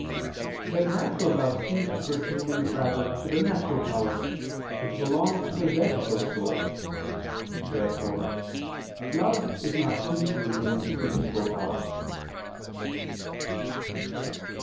But natural love seems to pertain rather to the natural powers, which belong to the vegetal soul. Therefore love is not simply in the concupiscible power.